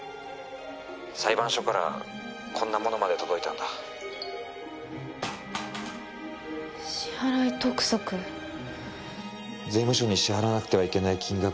☎裁判所からこんなものまで届いたんだ支払督促税務署に支払わなくてはいけない金額